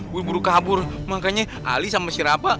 buru buru kabur makanya ali sama si rafa